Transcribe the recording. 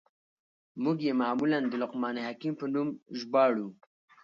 موږ ئې معمولاً د لقمان حکيم په نوم ژباړو.